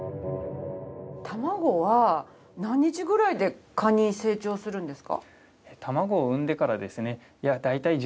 卵は何日ぐらいで蚊に成長するんですか？